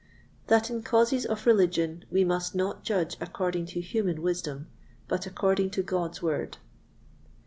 That in Causes of Religion we must not judge according to human Wisdom, but according to God's Word.